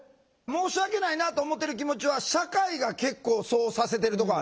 申し訳ないなと思ってる気持ちは社会が結構そうさせてるとこある。